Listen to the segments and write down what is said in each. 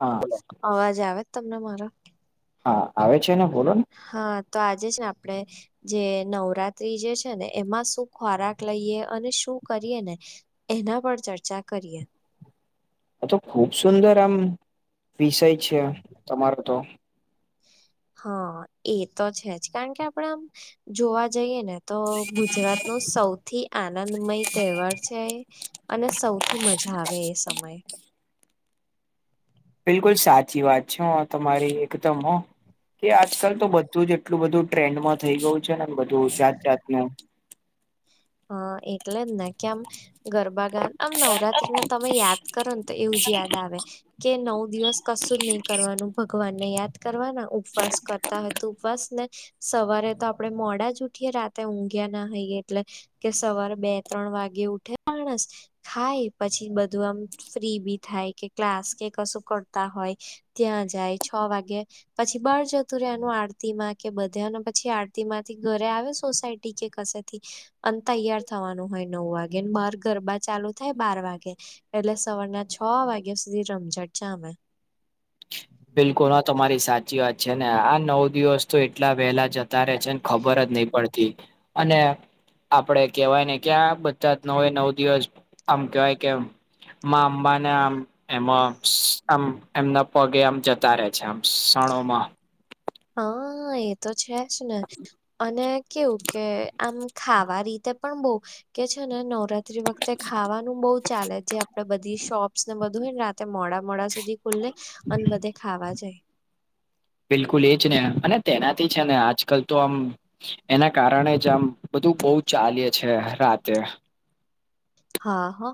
હા અવાજ આવે જ તમને મારો? હા આવે છે, ને બોલો ને હા તો આજે છે, ને આપડે જે નવરાત્રી જે છે ને એમાં શું ખોરાક લઈએ, અને શું કરીએ ને એના પર ચર્ચા કરીએ. આતો ખુબ સુંદર આમ વિષય છે, તમારો તો હા એ તો છે જ કારણકે આપડે આમ જોવા જઈએ ને તો ગુજરાત નો સૌથી આનંદમય તહેવાર છે. અને સૌથી મજા આવે એ સમયે. બિલકુલ સાચી વાત છે હો, તમારી એકદમ હો. કે આજકાલ તો બધું જ એટલું બધું ટ્રેન્ડમાં થઇ ગયું છે, ને બધું જાત જાતનુ હા, એટલે જ ને કેમ ગરબા ગ આમ નવરાત્રીને તમે યાદ કરો ને તો એવું જ યાદ આવે. કે નવ દિવસ કશું જ નહી કરવાનું ભગવાનને યાદ કરવાના ઉપવાસ કરતા હોય તો ઉપવાસ ને સવારે તો આપડે મોડા જ ઉઠીએ રાતે ઊંઘ્યાના હોઈએ એટલે. કે સવારે બે ત્રણ વાગે ઉઠે માણસ ખાય પછી બધું આમ ફ્રી બી થાય કે ક્લાસ કે કશું કરતા હોય ત્યાં જાય છ વાગે પછી બહાર જતું રેવાનું આરતીમાં કે બધે અને પછી આરતી માંથી ઘરે આવે સોસાયટી કે કશે થી અને તૈયાર થવાનું હોય નવ વાગે ને ભાર ગરબા ચાલુ થાય બાર વાગે. એટલે સવારના છ વાગ્યા સુધી રમઝટ જામે. બિલકુલ હા તમારી સાચી વાત છે ને આ નવ દિવસ તો એટલા વહેલા જત તા રહે છેન ખબર જ નહી પડતી અને આપડે કેવાય ને ક્યાં બધાજ નવે નવ દિવસ આમ કેવાય કેમ માં અંબાને આમ એમાં આમ એમના પગે આમ જતા રહે છે આમ ક્ષણોમાં. હા એ તો છે જ ને અને કેવું કે આમ ખાવા રીતે પણ બહુ કે છે ને નવરાત ત્રી વખતે ખાવાનું બહુ ચાલે જે આપડે બધી શોપ્સ ને બધું હોયને રાતે મોડા મોડા સુધી ખુલે અન બધે ખાવા જાય. બિલકુલ એ જ ને અને તેનાથી છે ને આજકાલ તો આમ એના કારણે જ આમ બધું બહુ ચાલે છે રાતે. હા હો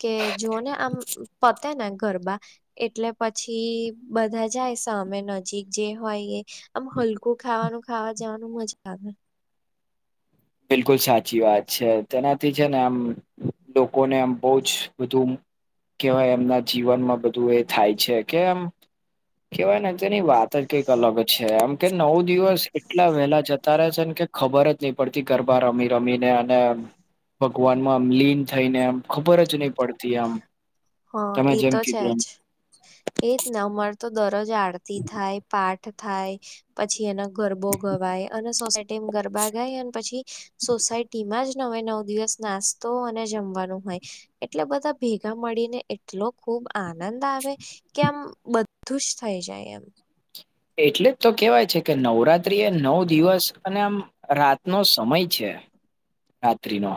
કે જો ને આમ પતે ને ગરબા એટલે પછી બધા જાય સામે નજીક જે હોય એ આમ હલકું ખાવાનું ખાવા જવાનું મજા આવે. બિલકુલ સાચી વાત છે તેનાથી છે ને આમ લોકોને આમ બહુ જ બધુ કેવાય એમના જીવનમાં બધું એ થાય છે કે એમ કેવાય ને તેની વાત જ કંઈક અલગ છે એમ. કે નવ દિવસ એટલા વહેલા જતા રહે છે ને કે ખબર જ નહી પડ તી ગરબા રમી રમીને અને ભગવાન માં આમ લીન થઈને આમ ખબર જ નહી પડતી આમ હા તમે એ જેમ તો છે કીધું એમ. જ એજ ને અમાર તો દરરોજ આરતી થાય, પાઠ થાય પછી એના ગરબો ગવાય અને સોસાયટી તેમ ગરબા ગાય અને પછી સોસાયટીમાં જ નવે નવ દિવસ નાસ્તો અને જમવાનું. હોય એટલે બધા ભેગા મળીને એટલો ખુબ આનંદ આવે. કેમ બધું જ થઈ જાય એમ. એટલે જ તો કેવાય છે કે નવરાત્રી એ નવ દિવસ અને આમ, રાતનો સમય છે રાત્રિ નો,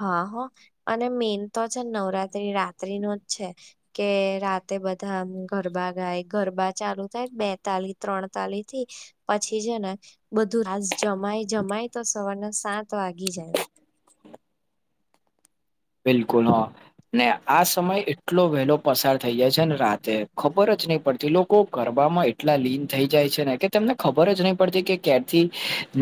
હા હો. અને મેન તો છે ને નવરાત્રી રાત્રિ નો જ છે. કે રાતે બધા આમ ગરબા ગાય ગરબા ચાલુ થાય બેતાલી ત્રણતાાલી થી પછી છે ને બધું રાસ જમાય જમાય તો સવારના સાત વાગી જાય. બિલકુલ હા, ને આ સમય એટલો વહેલો પસાર થઈ જાય છે ને રાતે ખબર જ નહી પડતી લોકો ગરબમાં એટલા લીન થઈ જાય છે ને કે તને ખબર જ નહી પડતી કે ક્યારથી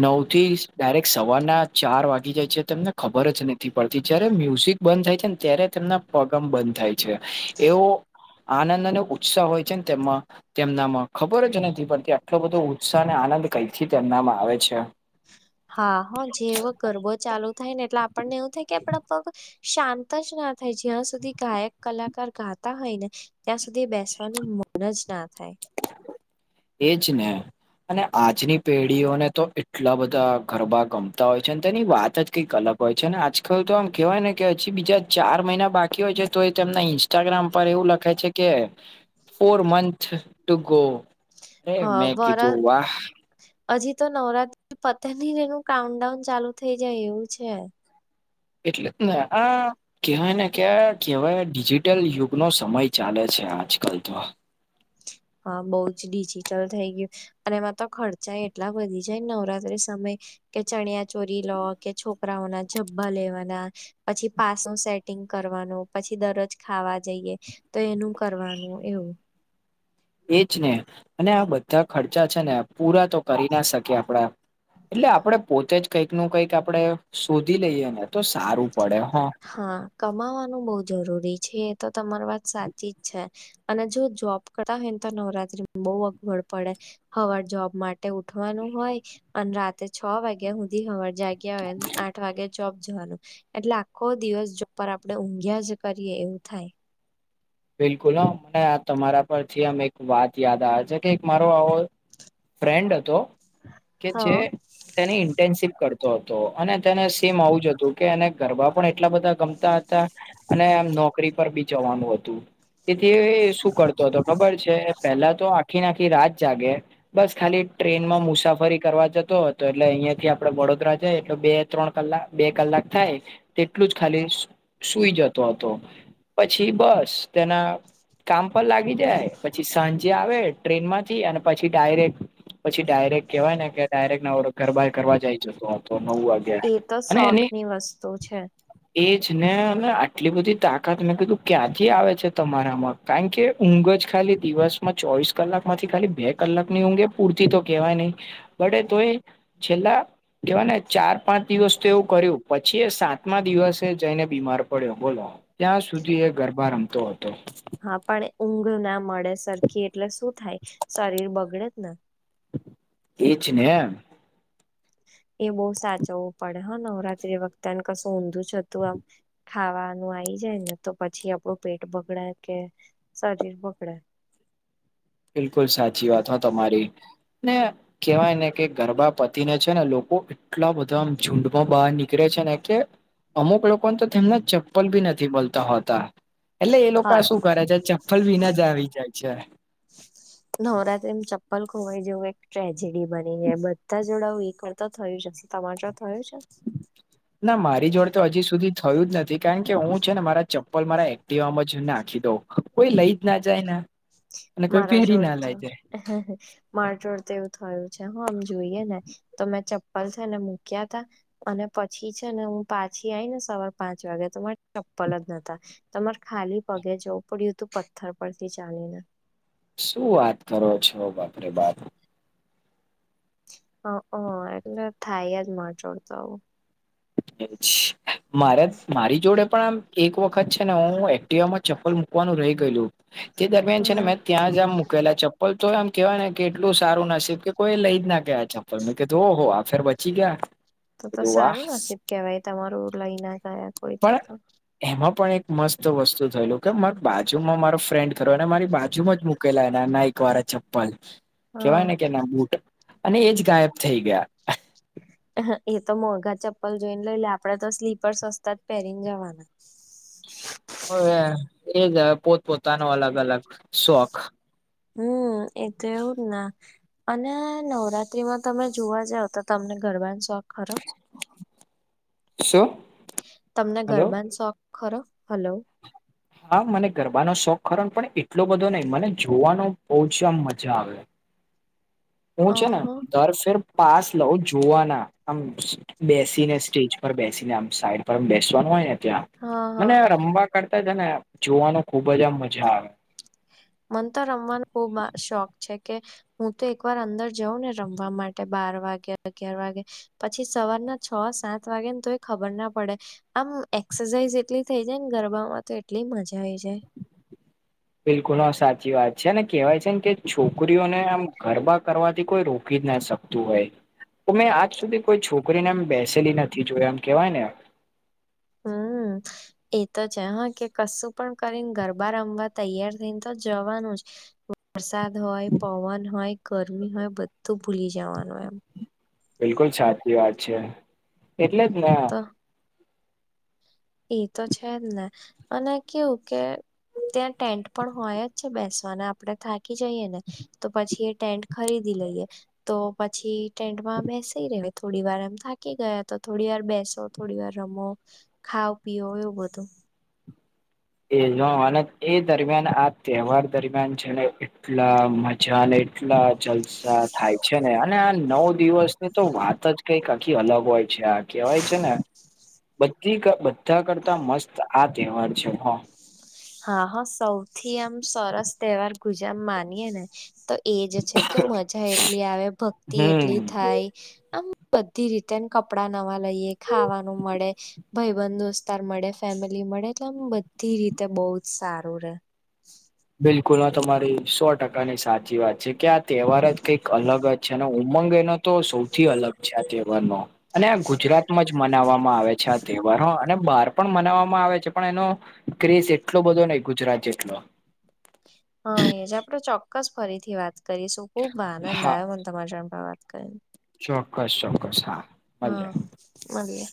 નવ થી ડાયરેક્ટ સવારના ચાર વાગી જાય છે, તમને ખબર જ નથી પડતી. જ્યારે મ્યુઝ ક બંધ થાય છે ને ત્યારે તેમના પગ આમ બંધ થાય છે એવો, આનંદ અને ઉત્સાહ હોય છે ને તેમાં તેમનામાં ખબર જ નથી પડતી આટલો બધો ઉત્સાહ અને આનંદ કઈથી તેમનામાં આવે છે. હા હા જેવો ગરબો ચાલુ થાય ને એટલે આપણને એવું થાય કે આપણા પગ શાંત જ ના થાય જ્યાં સુધી ગાયક કલાકાર ગાતા હોય ને ત્યાં સુધી બેસવાનું મન જ ના થાય એજ ને, અને આજની પેઢીઓને તો એટલા બધા ગરબા ગમતા હોય છે અને તેની વાત જ કંઈક અલગ હોય છે ને આજકાલ તો આમ કેહેવાય ને કે હજી બીજા ચાર મહિના બાકી હોય છે તો એ તેમના ઇન્સ્ટા ઇસ્ટાગ્રામ પર એવું લખે છે કે ફોર મંથ ટુ ગો, અરે મેં હા [unintelligible] કીધું વાહ હજી તો નવરાત્રી પતે નય ને એનું કાઉન્ટડાઉન ચાલુ થઇ જાય એવું છે. એટલે જ ના હા, કહેવાય ને કહેવાય ડિજિટલ યુગનો સમય ચાલે છે આજકાલ તો હા બઉ જ ડિજિટલ થઈ ગયું અને એમાં તો ખર્ચા એટલા વધા ગ્યા જ નવરાત્રી સમય કે ચણિયા ચોરી લો કે છોકરાઓના જબ્બા લેવાના. પછી પાસ નું સેટિંગ કરવાનું પછી દરોજ ખાવા જઈએ, તો એનું કરવાનું એવું, એ જ ને. અને આ બધા ખર્ચા છે ને, પૂરા તો કરી ના શકીએ આપણાં. એટલે આપણે પોતે જ કંઈક નું કઈક આપડે શોધી લઈએ ને તો સારું પડે હા. હા કમાવાનું બહુ જરૂરી છે એ તો તમારી વાત સાચી જ છે. અને જો જોબ કરતા હોય ને તો નવરાત્રીમાં બહુ અગવડ પડે હવારે જોબ માટે ઉઠવાનું હોય અને રાતે છ વાગ્યા સુધી હવારે જાગ્યા હોય આઠ વાગે જોબ જવાનું એટલે આ, આખો દિવસ જો ઉપ આપણેે ઊંઘ્યા જ કરીએ એવું થાય. બિલકુલ હ મને આ તમારા પરથી આમ એક વાત યાદ આવે છે કે મારો આવો ફ્રેન્ડ હતો કે જે, હા તેની ઇન્ટેનશિપ કરતો હતો. અને તેને સેમ આવું જ હતું, કે એને ગરબા પણ એટલા બધા ગમ ગમતા હતા અને આમ નોકરી પર બી જવાનું હતું. તેથી શું કરતો હતો ખબર છે પેલા તો આખી નાખી રાત જાગે બસ ખાલી ટ્રેનમાં મુસાફરી કરવા જતો હતો એટલે અહિયાયા થી આપડે વડોદરા જાય એટલે બે ત્રણ કલાક બે કલાક થાય તેટલું જ ખાલી સૂઈ જતો હતો, પછી બસ તેના, કામ પર લાગી જાય, પછી સાંજે આવે ટ્રેન માંથી, અને પછી ડાયરેક્ટ પછી ડાયરેક્ટ કહેવાય ને કે ડાયરેક નવ ગરબાં કરવા જઈ જતો હતો નવ વાગ એ તો શોખ ની વસ્તુ છે. એજ ને. અને આટલી બધી તાકાત મેં કીધું ક્યાંથી આવે છે તમારામાં? કારણ કે ઊંઘ જ ખાલી દિવસમાં ચોવીસ કલાકમાંથી ખાલી બે કલાક ની ઊંઘ એ પૂરતી તો કેવાય નહીં. બટ એ તોય છેલ્લા કહેવાયને ચાર-પાંચ દિવસ તો એવું કર્યું પછી એ સાતમા દિવસે જઈને બીમાર પડ્યો, બોલો. ત્યાં સુધી એ ગરબા રમ તો હતો. હા પણ એ ઊંઘ ના મળે સરખી એટલે શું થાય? શરીર બગડે જ ને. એજ ને. એ બહુ સાચવવું પડે હા નવરાત્રી વખતે, ને કશું ઊંધું-ચતું આમ ખાવાનું આઈ જાય ને તો પછી આપણું પેટ બગડે કે શરીર બગડે. બિલકુલ સાચી વાત હો તમારી. અને કહેવાય ને કે ગરબા પતીને છે ને લોકો એટલા બધા આમ ઝુંડમાં બહાર નીકળે છે ને કે અમુક લોકોન તો તેમના ચપ્પલ ભી નથી મલતા હોતા. એટલે એ હા લોકા શું કરે છે ચપ્પલ વિના જ આવી જાય છે. નવરાત્રીમ ચપ્પલ ખોવાય જવું એક ટ્રેજેડી બની જાય. બધા જોડાવ એક [unintelligible] થયું છે. તમાર જોડે થયું છે? ના મારી જોડે તો હજી સુધી થયું જ નથી, કારણ કે હું છે ને મારા ચપ્પલ મારા એક્ટિવામાં જ નાખી દઉં. કોઈ લઈ જ ના જાયને. અને કોઈ મારા પહેરી જોડ ના તો લઈ જાય. માર જોડે તો એવું થયું છે હા. આમ જોઈએ ને તો મેં ચપ્પલ છે ને મૂક્યા તા અને પછી છે ને હું પાછી આઈ ને સવા પાંચ વાગે તો મારા ચપ્પલ જ નતા. તો મારે ખાલી પગે જવું પડ્યું તું પથ્થર પરથી ચાલીને. શું વાત કરો છો બાપ રે બાપ? અહં. એટલે થાય જ મારી જોડે તો આવુ. મારે મારી જોડે પણ આમ એક વખત છે ને હું એક ક્ટિવા માં ચપ્પલ મુકવાનું રહી ગયેલું, તે દરમિયાન છે ને હમ મેં ત્યાં જ આમ મુકેલા ચપ્ પલ તોય આમ કહેવાય ને કે એટલું સારું નસીબ કે કોઈ એ લઈ જ ના ગયા ચપ્પલ. [unintelligible] કીધું, આહો! આ ફેરે બચી ગયા. તો-તો કીધું વાહ સારું નસીબ કહેવાય તમારું. લઈ ના ગયા કોઈ પણ તો-તો. એમાં પણ એક મસ્ત વસ્તુ થયેલું, કે માર બાજુમાં મારો ફ્રેન્ડ [unintelligible] એને મારી બાજુમાં જ મુકેલા એના નાઈક વાળા ચપ્પલ, કહેવાય હા ને કે એના બૂટ અને એજ ગાયબ થઈ ગયા. [inaudible] એ તો મોંઘા ચપ્પલ જોઈન લઈ લે, આપણે તો સ્લીપર સસ્તા જ પહેરીન જાવાના. હવે એ જ આ પોતપોતાનો અલગ-અલગ શોખ. હમ્મ. એ તો એવું જ ના. અને નવરાત્રીમાં તમે જોવા જાવ તો, તમને ગરબાને શોખ ખરો? શું તમને હલો ગરબાન શોખ ખરો? હલો. હા, મને ગરબાનો શોખ ખરોન, પણ એટલો બધો નહીં, મને જોવાનો ઓચમ મજા આવે. હું અ છે ને હ દર ફેર પાસ લઉં જોવાના, આમ બેસીને સ્ટેજ ઉપર બેસીને આ સાઈડ પર બેસવાનું હોયને, ત્યાં હા હા મને રમવા તે છે ને જોવાનો ખુબ જ આમ મજા આવે. મન તો રમવાનો બો શોખ છે કે હું તો એક વાર અંદર જાઉંને રમવા માટે બાર વાગે, અગિયાર વાગે પછી સવારના છ, સાત વાગે ને તો એ ખબર ના પડે. આમ એક્સરસાઇઝ એટલી થઇ જાયને ગરબામાં તો એટલી મજા આઈ જાય. બિલકુલ હા સાચી વાત છે ને કેહેવાય છે ને કે છોકરીઓને આમ ગરબા કરવાથી કોઈ રોકી જ ના શકતું હોય. કે મેં આજ સુધી કોઈ છોકરીને એમ બેસેલી નથી જોઈ એમ કેવાયને. હમમ. એ તો છે હા, કે કશું પણ કરીને ગરબા રમવા તૈયાર થઈને તો જવાનું જ. વરસાદ હોય, પવન હોય, ગરમી હોય બધું ભૂલી જવાનુંય એમ. બિલકુલ સાચી વાત છે એટલે જ ને ઈ તો છે જ ને અને કેવું કે ત્યાં ટેન્ટ પણ હોય જ છે બેસવાના, આપણે થાકી જઈએ ને તો પછી એ ટેન્ટ ખરીદી લઈએ. તો પછી ટેન્ટમાં બેસી રહેવાય થોડી વાર એમ થાકી ગયા તો થોડી વાર બેસો. થોડી વાર રમો, ખાઓ પીઓ એવું બધું. એ નો એ દરમિયાન, આ તહેવાર દરમિયાન છે ને એટલા મજા લેય એટલા જલસા થાય છે ને અને આ નવ દિવસની તો વાત જ કઈક આખી અલગ હોય. છે. આ કહેવાય છે ને બધી બધા કરતા મસ્ત આ તહેવાર છે. હ હા હા. સૌથી આમ સરસ તહેવાર ગુજરા માનીયે ને તો એ જ છે કે મજા એટલી આવે ભક્તિ હમ એટલી થાય. આમ બધી રીતે ન કપડાં નવા લઈએ, ખાવાનું મળે. ભાઈબંધ દોસ્તાર મળે, ફેમિલી મળે, એટલે આમ બધી રીતે બો જ સારું રે. બિલકુલ હા તમારી સો ટકાની સાચી વાત છે. ક્યાક તહેવાર જ કંઈક અલગ જ છે અને ઉમંગ એનો તો સૌથી અલગ છે. આ તહેવારનો અને આ ગુજરાતમાં જ મનાવવામાં આવે છે. આ તહેવાર અને બહાર પણ મનાવવામાં આવે છે, પણ એનો ક્રેસ એટલો બધો નય ગુજરાત જેટલો. હા, એ જ આપણે ચોક્કસ ફરીથી વાત કરીશું. ખુબ આનંદ હા આયો મ તમારા જોડે આમ વાત કરીને. ચોક્કસ ચોક્કસ હા. મળીએ હા, મલીએ.